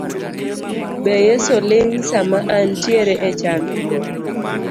Be Yeso ling sama antiere e chandruok.